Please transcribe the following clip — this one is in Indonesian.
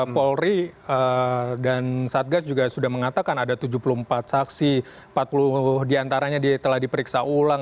polri dan satgas juga sudah mengatakan ada tujuh puluh empat saksi empat puluh diantaranya telah diperiksa ulang